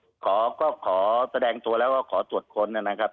ครับก็คือพอพบแล้วก็ขอแสดงตัวแล้วก็ขอตรวจค้นนะครับ